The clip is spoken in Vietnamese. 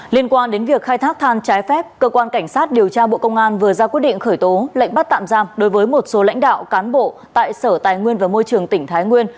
liên quan đến việc khai thác than trái phép cơ quan cảnh sát điều tra bộ công an vừa ra quyết định khởi tố lệnh bắt tạm giam đối với một số lãnh đạo cán bộ tại sở tài nguyên và môi trường tỉnh thái nguyên